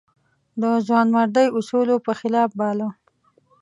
د ځوانمردۍ اصولو په خلاف باله.